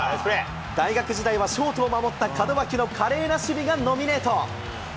大学時代はショートを守った門脇の華麗な守備がノミネート。